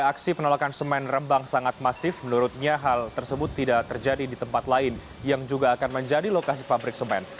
aksi penolakan semen rembang sangat masif menurutnya hal tersebut tidak terjadi di tempat lain yang juga akan menjadi lokasi pabrik semen